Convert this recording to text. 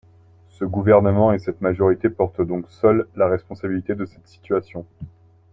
Ce gouvernement et cette majorité portent donc seuls la responsabilité de cette situation.